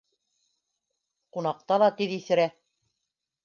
Ҡунаҡта ла тиҙ иҫерә